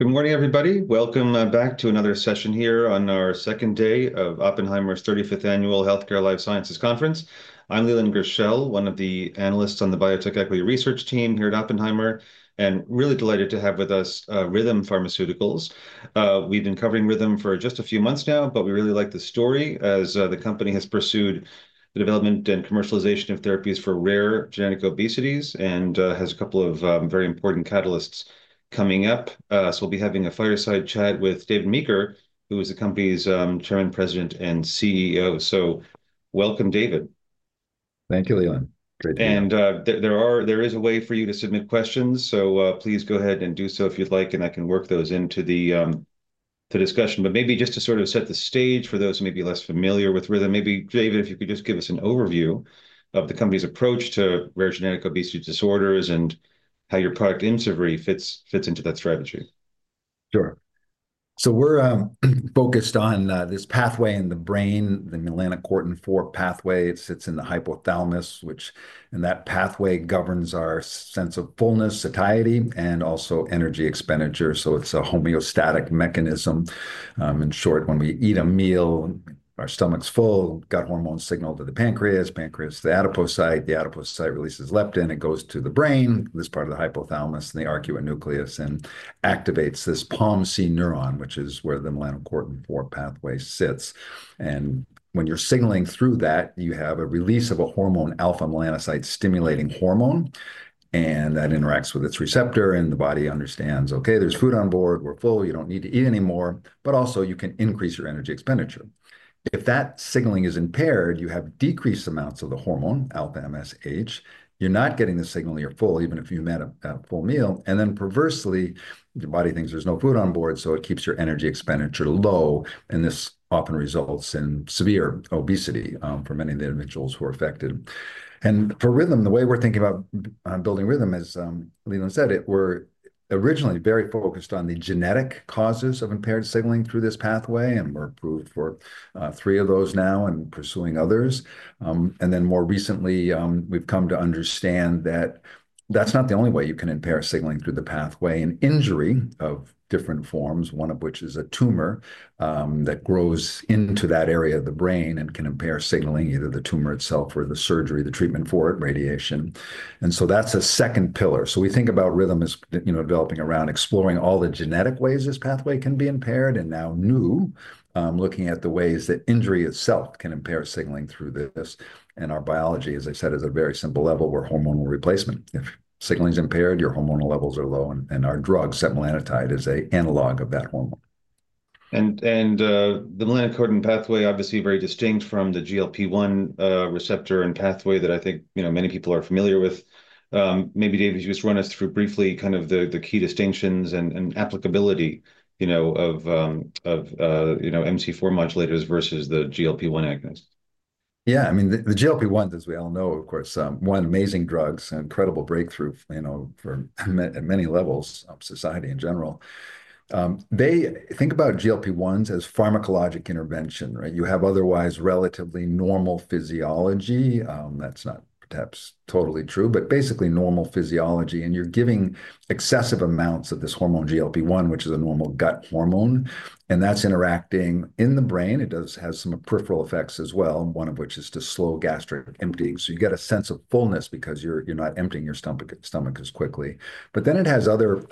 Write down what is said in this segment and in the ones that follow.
Good morning, everybody. Welcome back to another session here on our second day of Oppenheimer's 35th Annual Healthcare Life Sciences Conference. I'm Leland Gershell, one of the analysts on the Biotech Equity Research team here at Oppenheimer, and really delighted to have with us Rhythm Pharmaceuticals. We've been covering Rhythm for just a few months now, but we really like the story as the company has pursued the development and commercialization of therapies for rare genetic obesities and has a couple of very important catalysts coming up. So we'll be having a fireside chat with David Meeker, who is the company's chairman, president, and CEO. So welcome, David. Thank you, Leland. There is a way for you to submit questions, so please go ahead and do so if you'd like, and I can work those into the discussion. Maybe just to sort of set the stage for those who may be less familiar with Rhythm, maybe, David, if you could just give us an overview of the company's approach to rare genetic obesity disorders and how your product, Imcivree, fits into that strategy. Sure. We're focused on this pathway in the brain, the melanocortin-4 pathway. It sits in the hypothalamus, which in that pathway governs our sense of fullness, satiety, and also energy expenditure. It's a homeostatic mechanism. In short, when we eat a meal, our stomach's full, gut hormones signal to the pancreas, pancreas to the adipose tissue, the adipose tissue releases leptin, it goes to the brain, this part of the hypothalamus and the arcuate nucleus, and activates this POMC neuron, which is where the melanocortin-4 pathway sits. When you're signaling through that, you have a release of a hormone, alpha-melanocyte-stimulating hormone, and that interacts with its receptor, and the body understands, okay, there's food on board, we're full, you don't need to eat anymore, but also you can increase your energy expenditure. If that signaling is impaired, you have decreased amounts of the hormone, alpha-MSH, you're not getting the signal you're full, even if you've had a full meal, and then perversely, your body thinks there's no food on board, so it keeps your energy expenditure low, and this often results in severe obesity for many of the individuals who are affected, and for Rhythm, the way we're thinking about building Rhythm is, Leland said it, we're originally very focused on the genetic causes of impaired signaling through this pathway, and we're approved for three of those now and pursuing others. And then more recently, we've come to understand that that's not the only way you can impair signaling through the pathway, an injury of different forms, one of which is a tumor that grows into that area of the brain and can impair signaling, either the tumor itself or the surgery, the treatment for it, radiation. And so that's a second pillar. So we think about Rhythm as developing around exploring all the genetic ways this pathway can be impaired and now new, looking at the ways that injury itself can impair signaling through this. And our biology, as I said, is a very simple level where hormonal replacement, if signaling is impaired, your hormonal levels are low, and our drug, setmelanotide, is an analog of that hormone. The melanocortin pathway, obviously very distinct from the GLP-1 receptor and pathway that I think many people are familiar with. Maybe, David, you just run us through briefly kind of the key distinctions and applicability of MC4 modulators versus the GLP-1 agonist. Yeah, I mean, the GLP-1s, as we all know, of course, one amazing drug, an incredible breakthrough for many levels of society in general. They think about GLP-1s as pharmacologic intervention. You have otherwise relatively normal physiology. That's not perhaps totally true, but basically normal physiology, and you're giving excessive amounts of this hormone, GLP-1, which is a normal gut hormone, and that's interacting in the brain. It does have some peripheral effects as well, one of which is to slow gastric emptying. So you get a sense of fullness because you're not emptying your stomach as quickly. But then it has other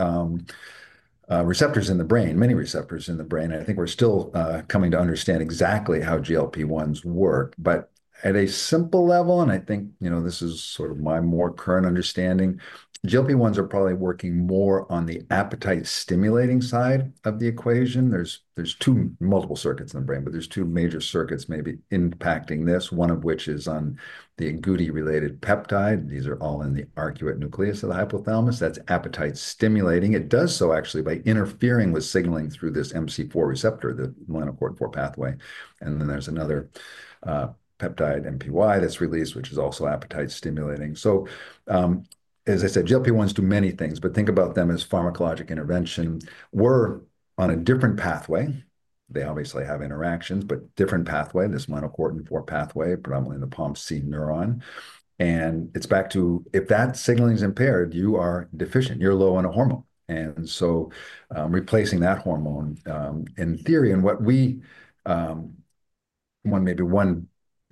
receptors in the brain, many receptors in the brain. I think we're still coming to understand exactly how GLP-1s work, but at a simple level, and I think this is sort of my more current understanding, GLP-1s are probably working more on the appetite stimulating side of the equation. There's two major circuits maybe impacting this, one of which is on the Agouti-related peptide. These are all in the arcuate nucleus of the hypothalamus. That's appetite stimulating. It does so actually by interfering with signaling through this MC4 receptor, the melanocortin-4 pathway. And then there's another peptide, NPY, that's released, which is also appetite stimulating. So, as I said, GLP-1s do many things, but think about them as pharmacologic intervention. We're on a different pathway. They obviously have interactions, but different pathway, this melanocortin-4 pathway, predominantly in the POMC neuron. And it's back to if that signaling is impaired. You are deficient. You're low on a hormone. And so replacing that hormone, in theory, and what we maybe one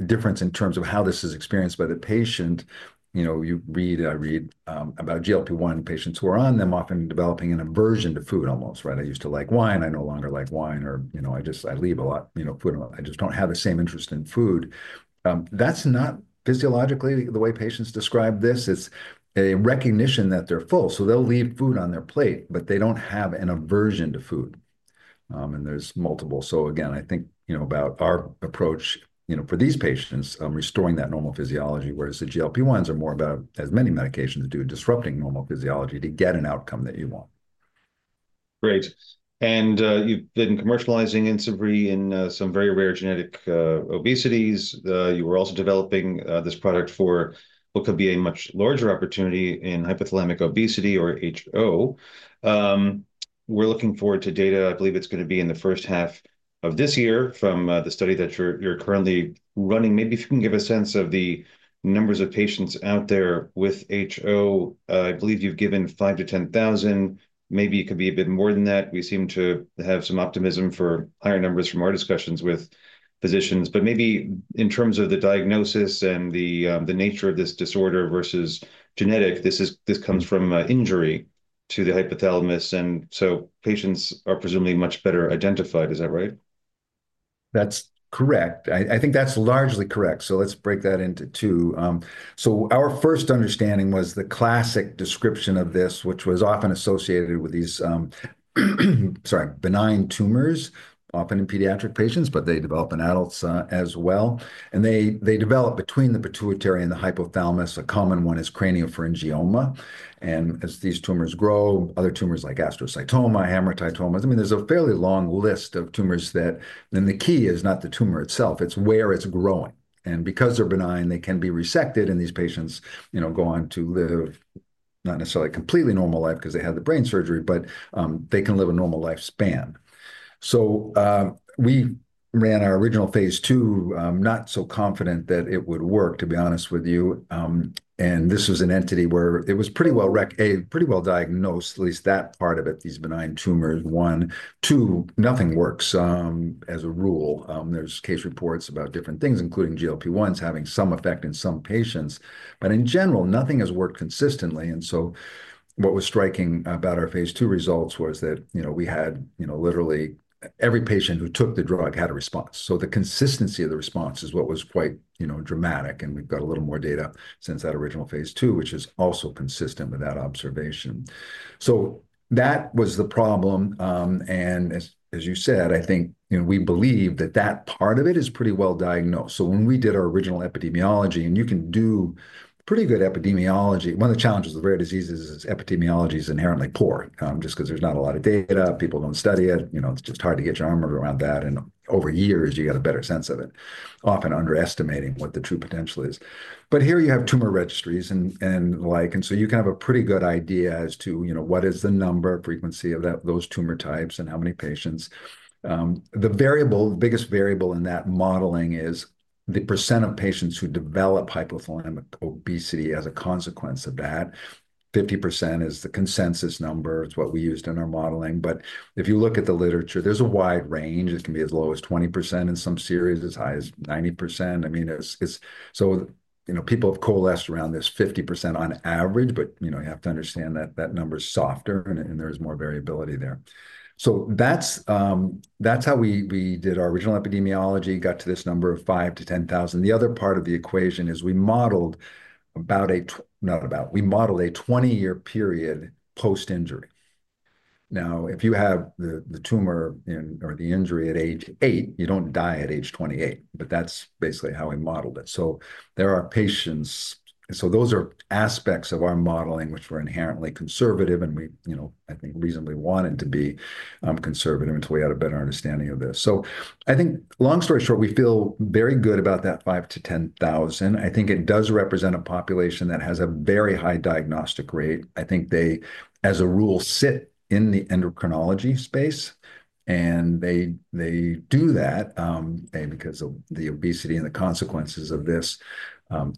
difference in terms of how this is experienced by the patient, you read, I read about GLP-1 patients who are on them often developing an aversion to food almost. I used to like wine. I no longer like wine, or I leave a lot of food. I just don't have the same interest in food. That's not physiologically the way patients describe this. It's a recognition that they're full. So they'll leave food on their plate, but they don't have an aversion to food. And there's multiple. So again, I think about our approach for these patients, restoring that normal physiology, whereas the GLP-1s are more about, as many medications do, disrupting normal physiology to get an outcome that you want. Great. And you've been commercializing Imcivree in some very rare genetic obesities. You were also developing this product for what could be a much larger opportunity in hypothalamic obesity or HO. We're looking forward to data. I believe it's going to be in the first half of this year from the study that you're currently running. Maybe if you can give a sense of the numbers of patients out there with HO, I believe you've given 5,000 to 10,000. Maybe it could be a bit more than that. We seem to have some optimism for higher numbers from our discussions with physicians. But maybe in terms of the diagnosis and the nature of this disorder versus genetic, this comes from injury to the hypothalamus. And so patients are presumably much better identified. Is that right? That's correct. I think that's largely correct. So let's break that into two. So our first understanding was the classic description of this, which was often associated with these, sorry, benign tumors, often in pediatric patients, but they develop in adults as well. And they develop between the pituitary and the hypothalamus. A common one is craniopharyngioma. And as these tumors grow, other tumors like germinoma, hamartomas. I mean, there's a fairly long list of tumors that, and the key is not the tumor itself, it's where it's growing. And because they're benign, they can be resected, and these patients go on to live not necessarily a completely normal life because they had the brain surgery, but they can live a normal lifespan. So we ran our original Phase 2, not so confident that it would work, to be honest with you. And this was an entity where it was pretty well recognized, pretty well diagnosed, at least that part of it, these benign tumors. One, two, nothing works as a rule. There's case reports about different things, including GLP-1s having some effect in some patients, but in general, nothing has worked consistently, and so what was striking about our Phase 2 results was that we had literally every patient who took the drug had a response. So the consistency of the response is what was quite dramatic, and we've got a little more data since that original Phase 2, which is also consistent with that observation. So that was the problem, and as you said, I think we believe that that part of it is pretty well diagnosed, so when we did our original epidemiology, and you can do pretty good epidemiology. One of the challenges of rare diseases is epidemiology is inherently poor just because there's not a lot of data. People don't study it. It's just hard to get your arm around that, and over years, you get a better sense of it, often underestimating what the true potential is. But here you have tumor registries and like, and so you can have a pretty good idea as to what is the number, frequency of those tumor types and how many patients. The variable, the biggest variable in that modeling is the percent of patients who develop hypothalamic obesity as a consequence of that. 50% is the consensus number. It's what we used in our modeling. But if you look at the literature, there's a wide range. It can be as low as 20% in some series, as high as 90%. I mean, so people have coalesced around this 50% on average, but you have to understand that that number is softer and there's more variability there. So that's how we did our original epidemiology, got to this number of 5,000-10,000. The other part of the equation is we modeled about a, not about, we modeled a 20-year period post-injury. Now, if you have the tumor or the injury at age eight, you don't die at age 28, but that's basically how we modeled it. So there are patients. So those are aspects of our modeling which were inherently conservative, and we, I think, reasonably wanted to be conservative until we had a better understanding of this. So I think, long story short, we feel very good about that 5,000-10,000. I think it does represent a population that has a very high diagnostic rate. I think they, as a rule, sit in the endocrinology space, and they do that because of the obesity and the consequences of this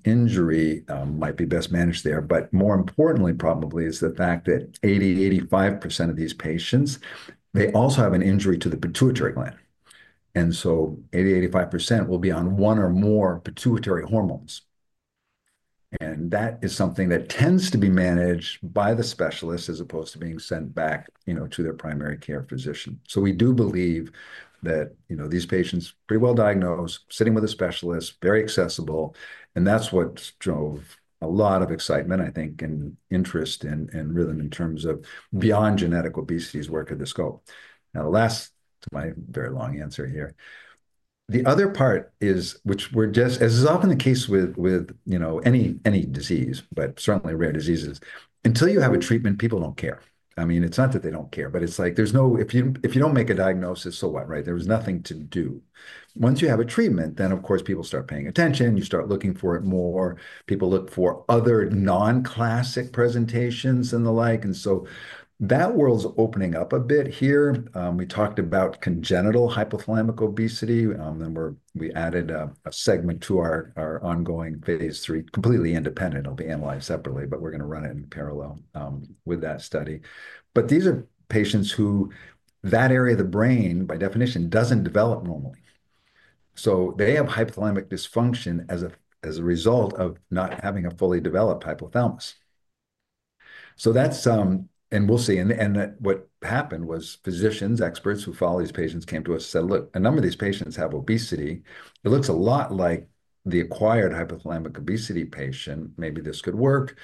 injury might be best managed there. But more importantly, probably, is the fact that 80%-85% of these patients, they also have an injury to the pituitary gland. And so 80%-85% will be on one or more pituitary hormones. And that is something that tends to be managed by the specialist as opposed to being sent back to their primary care physician. So we do believe that these patients, pretty well diagnosed, sitting with a specialist, very accessible, and that's what drove a lot of excitement, I think, and interest in Rhythm in terms of beyond genetic obesity's work at the scope. Now, last to my very long answer here. The other part is, which we're just, as is often the case with any disease, but certainly rare diseases, until you have a treatment, people don't care. I mean, it's not that they don't care, but it's like there's no, if you don't make a diagnosis, so what, right? There was nothing to do. Once you have a treatment, then of course people start paying attention. You start looking for it more. People look for other non-classic presentations and the like. And so that world's opening up a bit here. We talked about congenital hypothalamic obesity, and we added a segment to our ongoing Phase 3, completely independent. It'll be analyzed separately, but we're going to run it in parallel with that study. But these are patients who that area of the brain, by definition, doesn't develop normally. So they have hypothalamic dysfunction as a result of not having a fully developed hypothalamus. So that's, and we'll see. And what happened was physicians, experts who follow these patients came to us and said, "Look, a number of these patients have obesity. It looks a lot like the acquired hypothalamic obesity patient. Maybe this could work."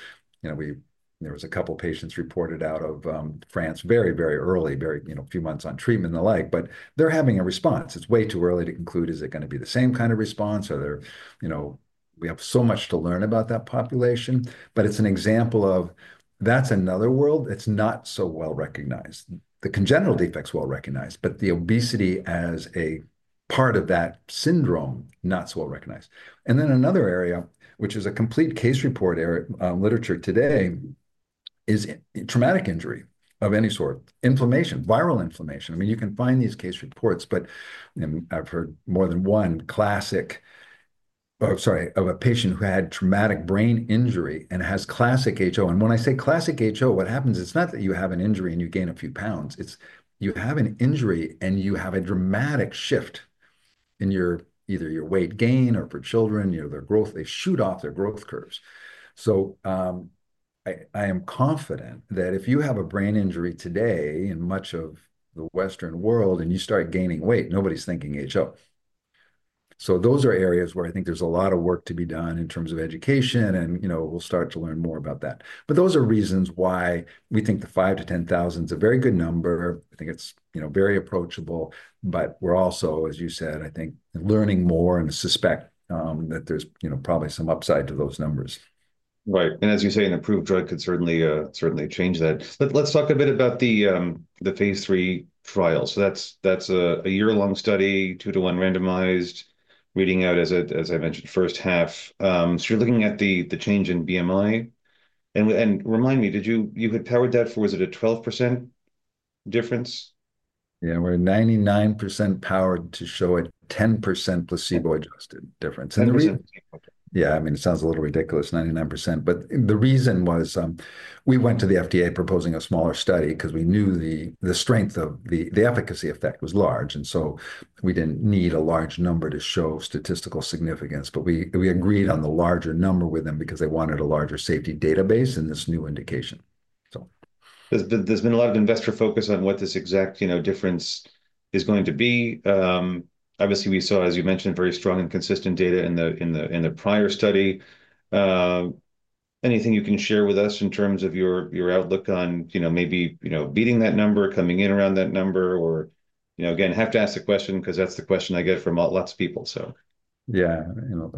There was a couple of patients reported out of France very, very early, very few months on treatment and the like, but they're having a response. It's way too early to conclude, is it going to be the same kind of response? We have so much to learn about that population, but it's an example of that's another world. It's not so well recognized. The congenital defect's well recognized, but the obesity as a part of that syndrome, not so well recognized. Then another area, which is a complete case report literature today, is traumatic injury of any sort, inflammation, viral inflammation. I mean, you can find these case reports, but I've heard more than one classic, sorry, of a patient who had traumatic brain injury and has classic HO. When I say classic HO, what happens is not that you have an injury and you gain a few pounds. It's you have an injury and you have a dramatic shift in either your weight gain or for children, their growth, they shoot off their growth curves. I am confident that if you have a brain injury today in much of the Western world and you start gaining weight, nobody's thinking HO. Those are areas where I think there's a lot of work to be done in terms of education, and we'll start to learn more about that. But those are reasons why we think the 5,000 to 10,000 is a very good number. I think it's very approachable, but we're also, as you said, I think learning more and suspect that there's probably some upside to those numbers. Right. And as you say, an approved drug could certainly change that. Let's talk a bit about the Phase 3 trial. So that's a year-long study, two-to-one randomized, reading out, as I mentioned, first half. So you're looking at the change in BMI. And remind me, did you power that for, was it a 12% difference? Yeah, we're 99% powered to show a 10% placebo-adjusted difference. Really? Yeah, I mean, it sounds a little ridiculous, 99%. But the reason was we went to the FDA proposing a smaller study because we knew the strength of the efficacy effect was large. And so we didn't need a large number to show statistical significance, but we agreed on the larger number with them because they wanted a larger safety database in this new indication. There's been a lot of investor focus on what this exact difference is going to be. Obviously, we saw, as you mentioned, very strong and consistent data in the prior study. Anything you can share with us in terms of your outlook on maybe beating that number, coming in around that number, or, again, I have to ask the question because that's the question I get from lots of people, so. Yeah.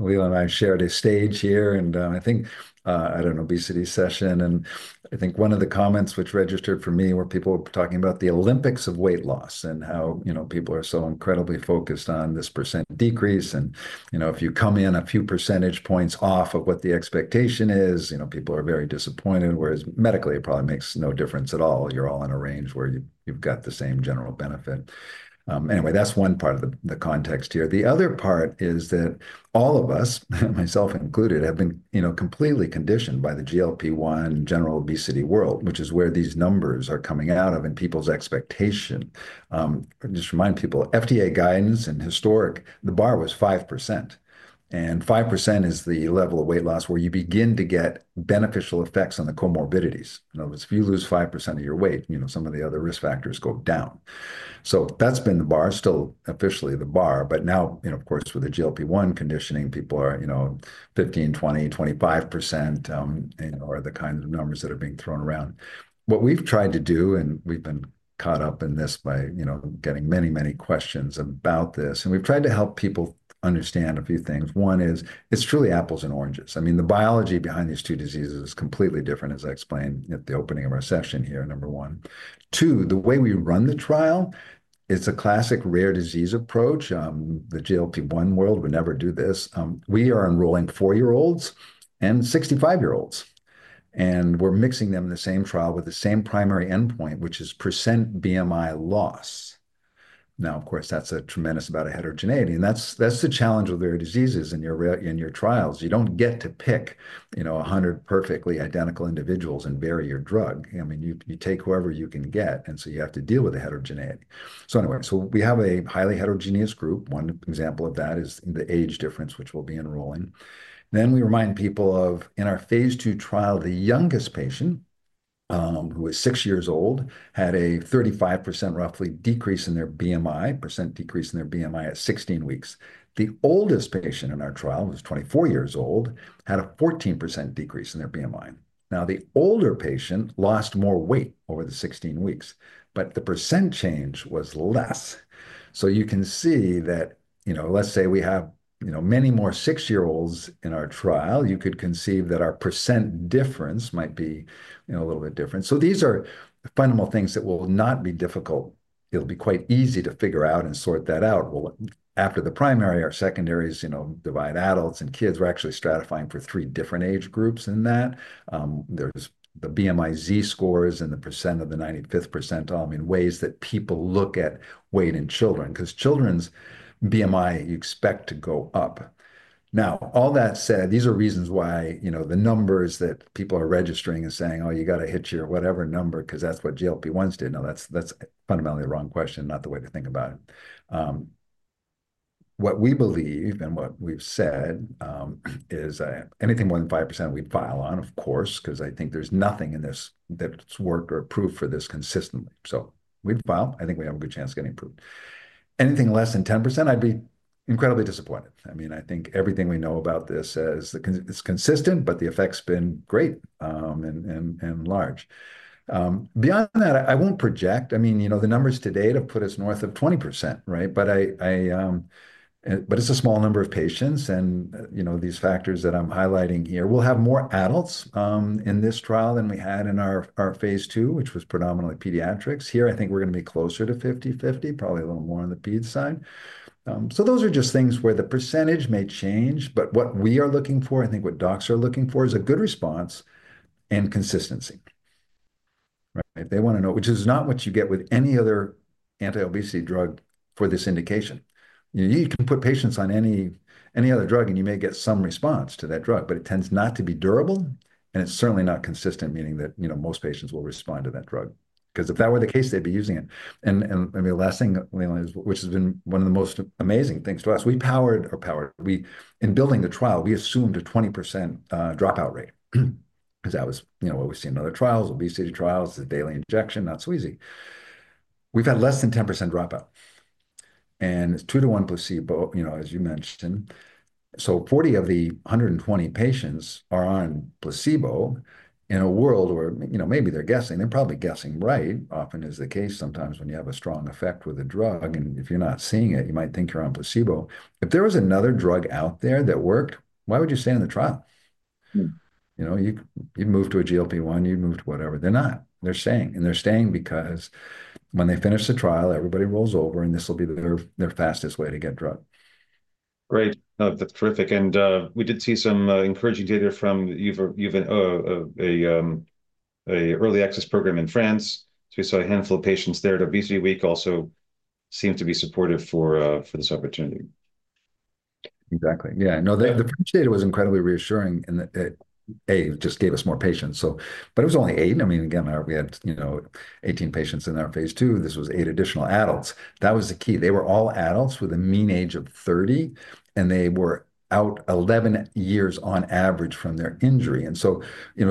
Leland and I shared a stage here and I think at an obesity session. And I think one of the comments which registered for me were people talking about the Olympics of weight loss and how people are so incredibly focused on this percent decrease. And if you come in a few percentage points off of what the expectation is, people are very disappointed, whereas medically, it probably makes no difference at all. You're all in a range where you've got the same general benefit. Anyway, that's one part of the context here. The other part is that all of us, myself included, have been completely conditioned by the GLP-1 general obesity world, which is where these numbers are coming out of and people's expectation. Just remind people, FDA guidance and historic, the bar was 5%. 5% is the level of weight loss where you begin to get beneficial effects on the comorbidities. If you lose 5% of your weight, some of the other risk factors go down. So that's been the bar, still officially the bar, but now, of course, with the GLP-1 conditioning, people are 15%, 20%, 25% are the kinds of numbers that are being thrown around. What we've tried to do, and we've been caught up in this by getting many, many questions about this, and we've tried to help people understand a few things. One is it's truly apples and oranges. I mean, the biology behind these two diseases is completely different, as I explained at the opening of our session here, number one. Two, the way we run the trial, it's a classic rare disease approach. The GLP-1 world would never do this. We are enrolling four-year-olds and 65-year-olds. We're mixing them in the same trial with the same primary endpoint, which is % BMI loss. Now, of course, that's a tremendous amount of heterogeneity, and that's the challenge with rare diseases in your trials. You don't get to pick 100 perfectly identical individuals and bury your drug. I mean, you take whoever you can get, and so you have to deal with the heterogeneity, so anyway, so we have a highly heterogeneous group. One example of that is the age difference, which we'll be enrolling, then we remind people of in our Phase 2 trial, the youngest patient, who is six years old, had a 35% roughly decrease in their BMI, % decrease in their BMI at 16 weeks. The oldest patient in our trial, who's 24 years old, had a 14% decrease in their BMI. Now, the older patient lost more weight over the 16 weeks, but the % change was less. So you can see that, let's say we have many more six-year-olds in our trial, you could conceive that our % difference might be a little bit different. So these are fundamental things that will not be difficult. It'll be quite easy to figure out and sort that out. After the primary, our secondaries divide adults and kids. We're actually stratifying for three different age groups in that. There's the BMI Z-scores and the % of the 95th percentile in ways that people look at weight in children because children's BMI, you expect to go up. Now, all that said, these are reasons why the numbers that people are registering and saying, "Oh, you got to hit your whatever number because that's what GLP-1s did." Now, that's fundamentally the wrong question, not the way to think about it. What we believe and what we've said is anything more than 5%, we'd file on, of course, because I think there's nothing in this that's worked or approved for this consistently. So we'd file. I think we have a good chance of getting approved. Anything less than 10%, I'd be incredibly disappointed. I mean, I think everything we know about this is consistent, but the effect's been great and large. Beyond that, I won't project. I mean, the numbers today have put us north of 20%, right? But it's a small number of patients, and these factors that I'm highlighting here, we'll have more adults in this trial than we had in our Phase 2, which was predominantly pediatrics. Here, I think we're going to be closer to 50/50, probably a little more on the B side. So those are just things where the percentage may change, but what we are looking for, I think what docs are looking for is a good response and consistency. They want to know, which is not what you get with any other anti-obesity drug for this indication. You can put patients on any other drug, and you may get some response to that drug, but it tends not to be durable, and it's certainly not consistent, meaning that most patients will respond to that drug. Because if that were the case, they'd be using it. Maybe the last thing, Leland, which has been one of the most amazing things to us, we powered in building the trial, we assumed a 20% dropout rate. Because that was what we see in other trials, obesity trials, the daily injection, not so easy. We've had less than 10% dropout. It's two-to-one placebo, as you mentioned. So 40 of the 120 patients are on placebo in a world where maybe they're guessing. They're probably guessing right, often is the case. Sometimes when you have a strong effect with a drug, and if you're not seeing it, you might think you're on placebo. If there was another drug out there that worked, why would you stay in the trial? You moved to a GLP-1, you moved to whatever. They're not. They're staying. And they're staying because when they finish the trial, everybody rolls over, and this will be their fastest way to get drug. Right. That's terrific. And we did see some encouraging data from an early access program in France. So we saw a handful of patients there. The ObesityWeek also seemed to be supportive for this opportunity. Exactly. Yeah. No, the first data was incredibly reassuring in that it just gave us more patients. But it was only eight. I mean, again, we had 18 patients in our Phase 2. This was eight additional adults. That was the key. They were all adults with a mean age of 30, and they were out 11 years on average from their injury. And so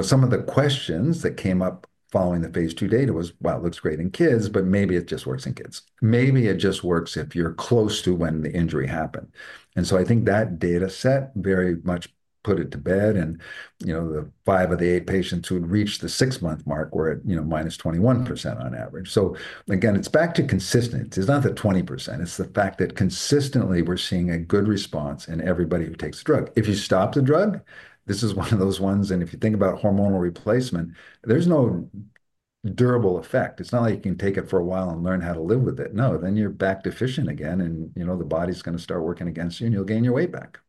some of the questions that came up following the Phase 2 data was, "Wow, it looks great in kids, but maybe it just works in kids. Maybe it just works if you're close to when the injury happened." And so I think that data set very much put it to bed. And the five of the eight patients who had reached the six-month mark were at minus 21% on average. So again, it's back to consistency. It's not the 20%. It's the fact that consistently we're seeing a good response in everybody who takes the drug. If you stop the drug, this is one of those ones, and if you think about hormonal replacement, there's no durable effect. It's not like you can take it for a while and learn how to live with it. No, then you're back deficient again, and the body's going to start working against you, and you'll gain your weight back.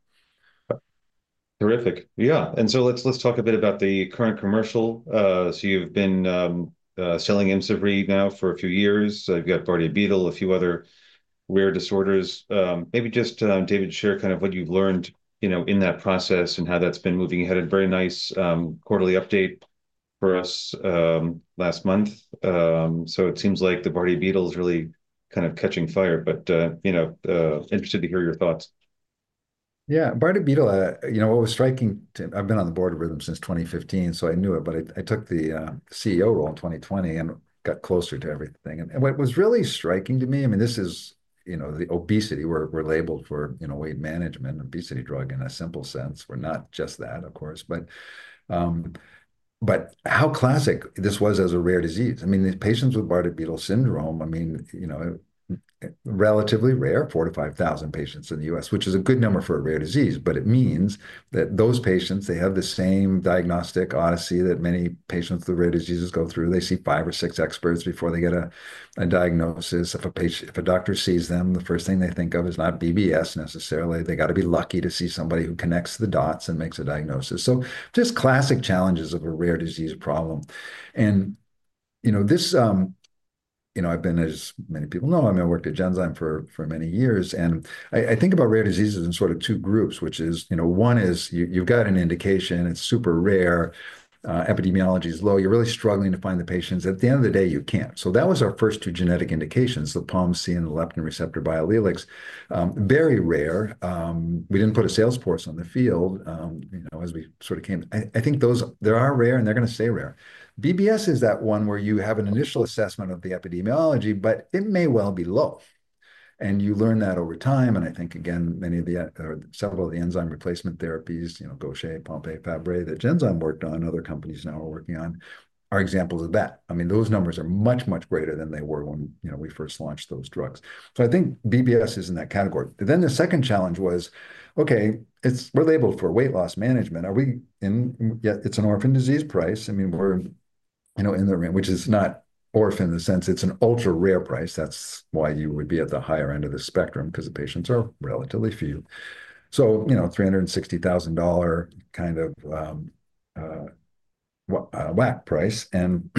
Terrific. Yeah. And so let's talk a bit about the current commercial. So you've been selling Imcivree now for a few years. You've got Bardet-Biedl, a few other rare disorders. Maybe just, David, share kind of what you've learned in that process and how that's been moving ahead. A very nice quarterly update for us last month. So it seems like the Bardet-Biedl is really kind of catching fire, but interested to hear your thoughts. Yeah. Bardet-Biedl, what was striking, I've been on the board of Rhythm since 2015, so I knew it, but I took the CEO role in 2020 and got closer to everything, and what was really striking to me, I mean, this is the obesity. We're labeled for weight management, obesity drug in a simple sense. We're not just that, of course, but how classic this was as a rare disease. I mean, patients with Bardet-Biedl syndrome, I mean, relatively rare, 4,000-5,000 patients in the U.S., which is a good number for a rare disease, but it means that those patients, they have the same diagnostic odyssey that many patients with rare diseases go through. They see five or six experts before they get a diagnosis. If a doctor sees them, the first thing they think of is not BBS necessarily. They got to be lucky to see somebody who connects the dots and makes a diagnosis, so just classic challenges of a rare disease problem, and I've been, as many people know, I mean, I worked at Genzyme for many years, and I think about rare diseases in sort of two groups, which is one is you've got an indication, it's super rare, epidemiology is low, you're really struggling to find the patients. At the end of the day, you can't, so that was our first two genetic indications, the POMC and the leptin receptor biallelics, very rare. We didn't put a sales force on the field as we sort of came, I think those there are rare, and they're going to stay rare. BBS is that one where you have an initial assessment of the epidemiology, but it may well be low, and you learn that over time. And I think, again, many of the several of the enzyme replacement therapies, Gaucher, Pompe, Fabry, that Genzyme worked on, other companies now are working on, are examples of that. I mean, those numbers are much, much greater than they were when we first launched those drugs. So I think BBS is in that category. Then the second challenge was, okay, we're labeled for weight loss management. Are we in? Yet it's an orphan disease price. I mean, we're in the, which is not orphan in the sense, it's an ultra rare price. That's why you would be at the higher end of the spectrum because the patients are relatively few. So $360,000 kind of whack price. And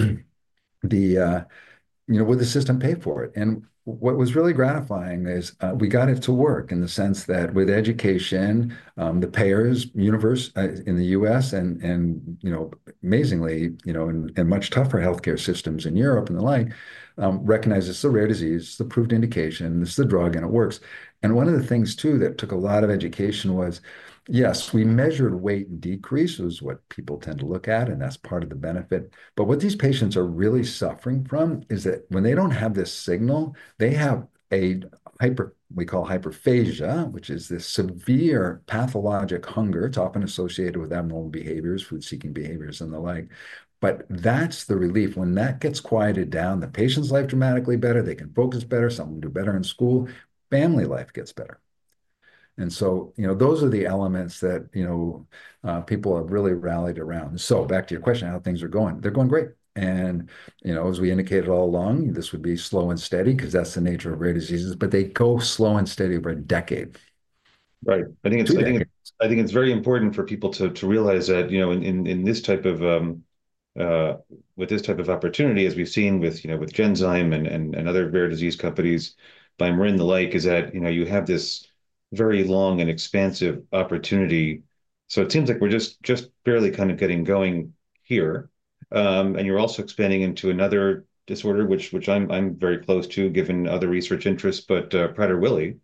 would the system pay for it? What was really gratifying is we got it to work in the sense that with education, the payers universe in the US and amazingly in much tougher healthcare systems in Europe and the like recognize it's a rare disease, it's a proved indication, this is the drug and it works. One of the things too that took a lot of education was, yes, we measured weight decrease, which is what people tend to look at, and that's part of the benefit. What these patients are really suffering from is that when they don't have this signal, they have what we call hyperphagia, which is this severe pathologic hunger. It's often associated with abnormal behaviors, food-seeking behaviors and the like. That's the relief. When that gets quieted down, the patient's life dramatically better, they can focus better, some of them do better in school, family life gets better, and so those are the elements that people have really rallied around, so back to your question, how things are going? They're going great, and as we indicated all along, this would be slow and steady because that's the nature of rare diseases, but they go slow and steady over a decade. Right. I think it's very important for people to realize that in this type of opportunity, as we've seen with Genzyme and other rare disease companies and the like, is that you have this very long and expansive opportunity. It seems like we're just barely kind of getting going here. You're also expanding into another disorder, which I'm very close to, given other research interests, but Prader-Willi.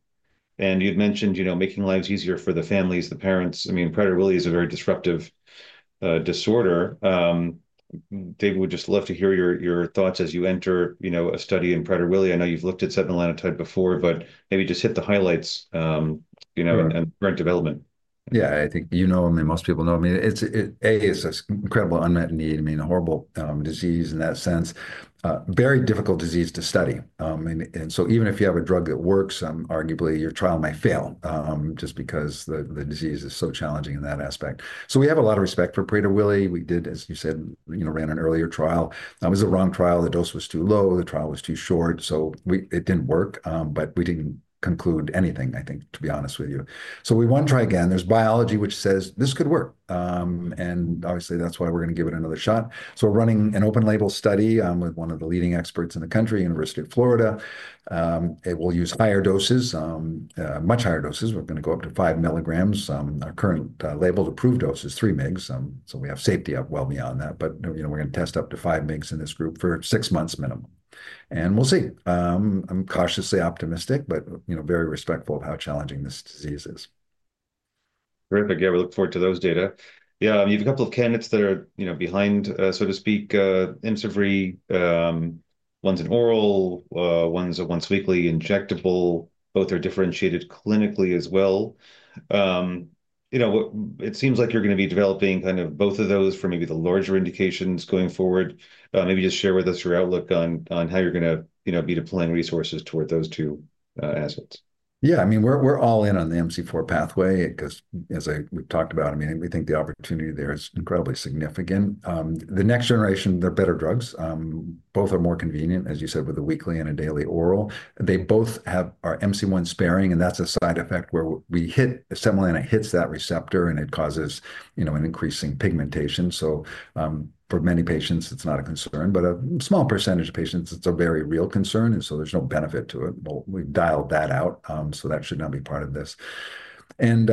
You'd mentioned making lives easier for the families, the parents. I mean, Prader-Willi is a very disruptive disorder. I'd just love to hear your thoughts as you enter a study in Prader-Willi. I know you've looked at setmelanotide before, but maybe just hit the highlights and current development. Yeah. I think you know and most people know. I mean, A, it's an incredible unmet need. I mean, a horrible disease in that sense. Very difficult disease to study. And so even if you have a drug that works, arguably your trial may fail just because the disease is so challenging in that aspect. So we have a lot of respect for Prader-Willi. We did, as you said, ran an earlier trial. It was a wrong trial. The dose was too low. The trial was too short. So it didn't work, but we didn't conclude anything, I think, to be honest with you. So we want to try again. There's biology which says this could work. And obviously, that's why we're going to give it another shot. So we're running an open label study with one of the leading experts in the country, University of Florida. We'll use higher doses, much higher doses. We're going to go up to five milligrams. Our current labeled approved dose is three milligrams. So we have safety up well beyond that, but we're going to test up to five milligrams in this group for six months minimum. And we'll see. I'm cautiously optimistic, but very respectful of how challenging this disease is. Terrific. Yeah, we look forward to those data. Yeah, you have a couple of candidates that are behind, so to speak, Imcivree, one in oral, one once-weekly injectable. Both are differentiated clinically as well. It seems like you're going to be developing kind of both of those for maybe the larger indications going forward. Maybe just share with us your outlook on how you're going to be deploying resources toward those two aspects. Yeah. I mean, we're all in on the MC4 pathway because, as we've talked about, I mean, we think the opportunity there is incredibly significant. The next generation, they're better drugs. Both are more convenient, as you said, with the weekly and a daily oral. They both have our MC1 sparing, and that's a side effect where we hit the MC1 and it hits that receptor, and it causes an increasing pigmentation. So for many patients, it's not a concern, but a small percentage of patients, it's a very real concern. And so there's no benefit to it. We've dialed that out. So that should not be part of this. And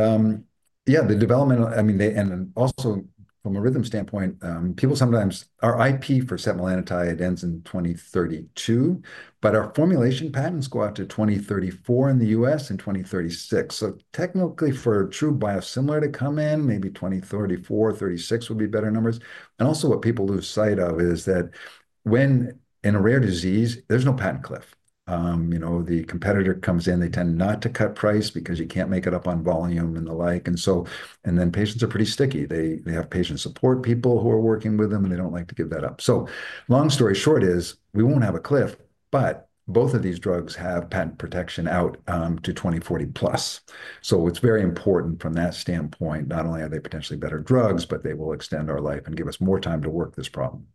yeah, the development, I mean, and also from a Rhythm standpoint, people sometimes our IP for setmelanotide ends in 2032, but our formulation patents go out to 2034 in the U.S. and 2036. So technically, for true biosimilar to come in, maybe 2034, 36 would be better numbers. And also what people lose sight of is that when in a rare disease, there's no patent cliff. The competitor comes in, they tend not to cut price because you can't make it up on volume and the like. And then patients are pretty sticky. They have patient support people who are working with them, and they don't like to give that up. So long story short is we won't have a cliff, but both of these drugs have patent protection out to 2040 plus. So it's very important from that standpoint, not only are they potentially better drugs, but they will extend our life and give us more time to work this problem.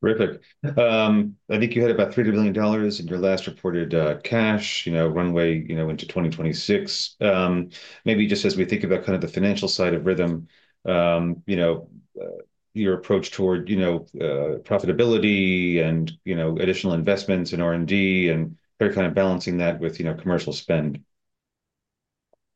Terrific. I think you had about $30 million in your last reported cash runway into 2026. Maybe just as we think about kind of the financial side of Rhythm, your approach toward profitability and additional investments in R&D and very kind of balancing that with commercial spend?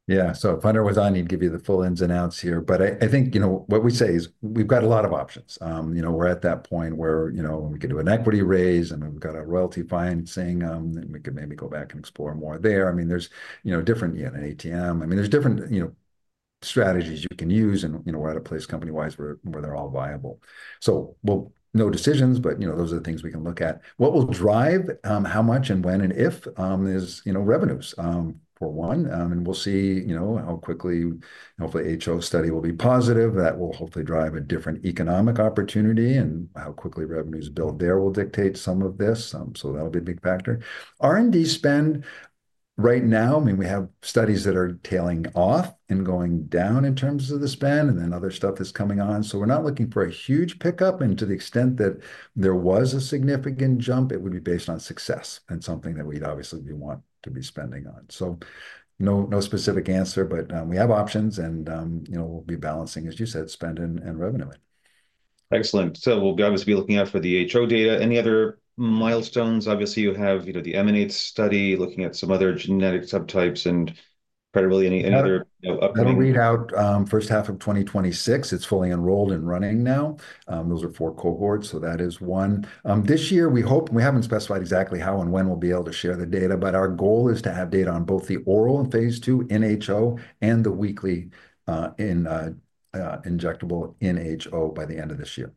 Yeah, so if Hunter was on, he'd give you the full ins and outs here. But I think what we say is we've got a lot of options. We're at that point where we could do an equity raise, and we've got a royalty financing, and we could maybe go back and explore more there. I mean, there's different strategies you can use, and we're at a place company-wise where they're all viable, so no decisions, but those are the things we can look at. What will drive how much and when and if is revenues, for one, and we'll see how quickly, hopefully, HO study will be positive. That will hopefully drive a different economic opportunity, and how quickly revenues build there will dictate some of this, so that'll be a big factor. R&D spend right now, I mean, we have studies that are tailing off and going down in terms of the spend, and then other stuff is coming on. So we're not looking for a huge pickup. And to the extent that there was a significant jump, it would be based on success and something that we'd obviously want to be spending on. So no specific answer, but we have options, and we'll be balancing, as you said, spend and revenue in. Excellent. So we'll obviously be looking out for the HO data. Any other milestones? Obviously, you have the EMANATE study looking at some other genetic subtypes and probably any other upcoming. I'm going to readout first half of 2026. It's fully enrolled and running now. Those are four cohorts, so that is one. This year, we hope we haven't specified exactly how and when we'll be able to share the data, but our goal is to have data on both the oral and Phase 2 in HO and the weekly injectable in HO by the end of this year.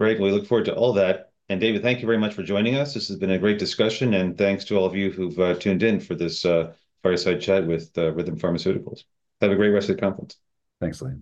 Great. We look forward to all that. And David, thank you very much for joining us. This has been a great discussion, and thanks to all of you who've tuned in for this fireside chat with Rhythm Pharmaceuticals. Have a great rest of the conference. Thanks, Leland.